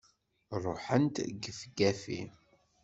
Ruḥent gefgafi!